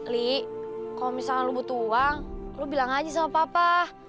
li kalau misalnya lo butuh uang lo bilang aja sama papa